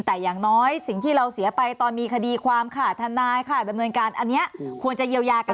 แต่อย่างน้อยสิ่งที่เราเสียไปตอนมีคดีความขาดธนาค่ะการบรรว์นอันนี้ควรจะเยียวยากันหน่อย